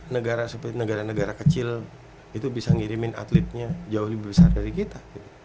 negara seperti negara negara kecil itu bisa ngirimin atletnya jauh lebih besar dari kita